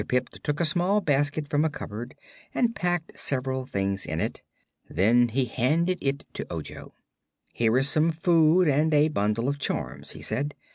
Pipt took a small basket from a cupboard and packed several things in it. Then he handed it to Ojo. "Here is some food and a bundle of charms," he said.